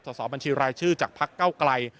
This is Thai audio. สอบบัญชีรายชื่อจากพักเก้าไกล